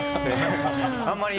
あんまり。